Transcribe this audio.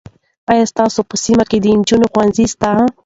آیا ستاسو په سیمه کې د نجونو ښوونځی سته؟